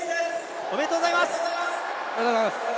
ありがとうございます。